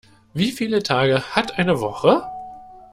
Wie viele Tage hat eine Woche?